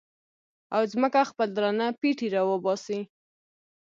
او ځمکه خپل درانه پېټي را وباسي